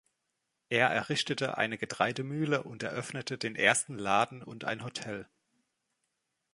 Er errichtete eine Getreidemühle und eröffnete den ersten Laden und ein Hotel.